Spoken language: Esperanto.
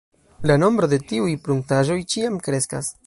La nombro de tiuj pruntaĵoj ĉiam kreskas.